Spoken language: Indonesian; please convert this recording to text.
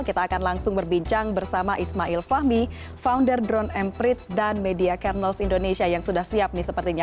kita akan langsung berbincang bersama ismail fahmi founder drone emprit dan media kernels indonesia yang sudah siap nih sepertinya